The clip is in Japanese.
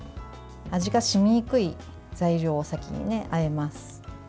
味が染みにくい材料を先にあえます。